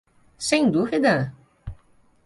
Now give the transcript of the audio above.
Sem dúvida?